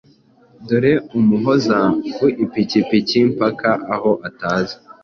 dore Umuhoza ku ipikipiki mpaka aho atazi